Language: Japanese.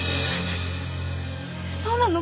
そうなの？